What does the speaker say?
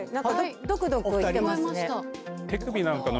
ドクドクいってますね。